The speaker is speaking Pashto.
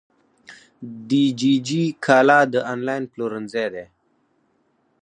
دیجیجی کالا د انلاین پلورنځی دی.